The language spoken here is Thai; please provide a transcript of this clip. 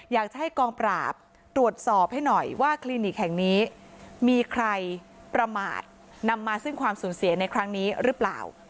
อยากจะให้กองปราบตรวจสอบให้หน่อยว่าคลินิกแห่งนี้มีใครประมาทนำมาซึ่งความสูญเสียในครั้งนี้หรือเปล่า